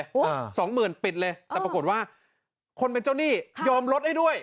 อ่าสองหมื่นปิดเลยแต่ปรากฏว่าคนเป็นเจ้าหนี้ยอมลดให้ด้วย